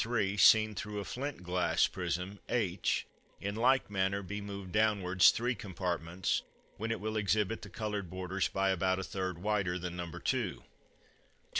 3, seen through a flint glass prism h, in like manner be moved downwards three compartments, when it will exhibit the coloured borders by about a third wider than No.